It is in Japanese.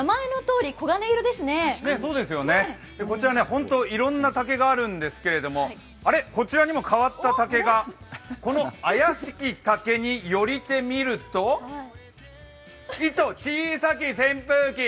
本当にいろんな竹があるんですけれどもこちらにも変わった竹がこの怪しき竹に寄りて見るといと小さき扇風機。